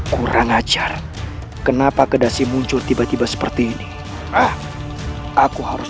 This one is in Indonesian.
kurang ajar kenapa kedasi muncul tiba tiba seperti ini ah aku harus